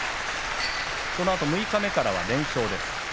そのあと六日目からは連勝です。